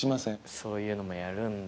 そういうのもやるんだ。